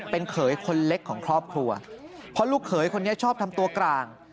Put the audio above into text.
เป็นเขยคนเล็กของครอบครัวเพราะลูกเขยคนนี้ชอบทำตัวกลาง